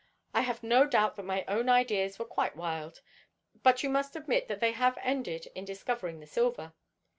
I have no doubt that my own ideas were quite wild, but you must admit that they have ended in discovering the silver."